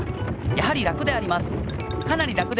かなり楽であります。